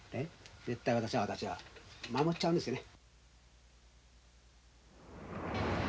絶対私は守っちゃうんですね。